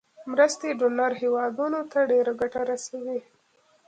مرستې ډونر هیوادونو ته ډیره ګټه رسوي.